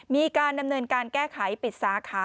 มีการดำเนินการแก้ไขปิดสาขา